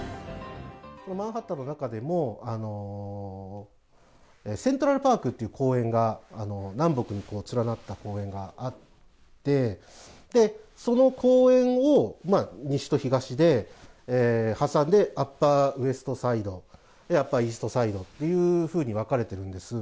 マンハッタンの中でも、セントラルパークという公園が、南北に連なった公園があって、その公園を西と東で挟んで、アッパーウエストサイド、アッパーイーストサイドというふうに分かれているんです。